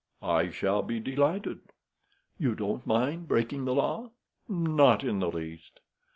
"I shall be delighted." "You don't mind breaking the law?" "Not in the least."